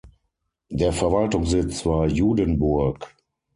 Der Verwaltungssitz war Judenburg.